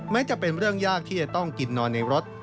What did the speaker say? จะเป็นเรื่องยากที่จะต้องกินนอนในรถ